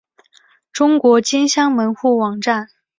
中国金乡门户网站